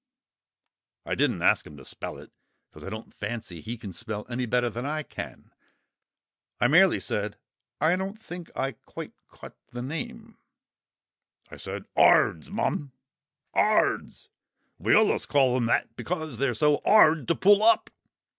I didn't ask him to spell it, because I don't fancy he can spell any better than I can. I merely said, "I don't think I quite caught the name?" "I said ''ARDS,' Mum; (crescendo) '='ARDS=.' We allus calls 'em that 'cos they're so 'ard to pull up."